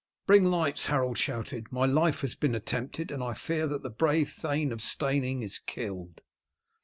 "Bring lights!" Harold shouted. "My life has been attempted, and I fear that the brave Thane of Steyning is killed."